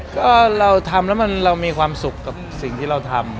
ก็เราทำแล้วเรามีความสุขกับสิ่งที่เราทำ